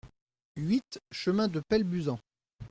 huit chemin de Pellebuzan